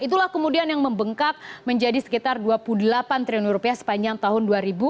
itulah kemudian yang membengkak menjadi sekitar dua puluh delapan triliun rupiah sepanjang tahun dua ribu dua